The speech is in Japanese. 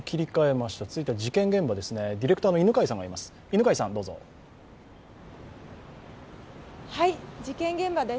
続いては事件現場です、ディレクターの犬飼さんです。